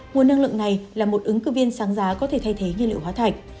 nguồn năng lượng này là một ứng cử viên sáng giá có thể thay thế nhiên liệu hóa thạch